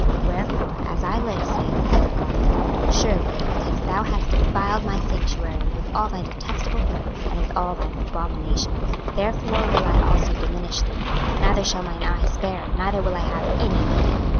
26:005:011 Wherefore, as I live, saith the Lord GOD; Surely, because thou hast defiled my sanctuary with all thy detestable things, and with all thine abominations, therefore will I also diminish thee; neither shall mine eye spare, neither will I have any pity.